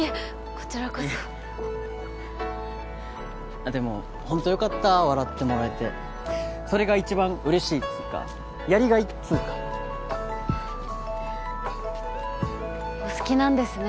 こちらこそいえあっでもほんとよかった笑ってもらえてそれが一番うれしいっつうかやりがいっつうかお好きなんですね